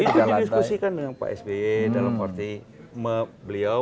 itu didiskusikan dengan pak sby dalam arti beliau meminta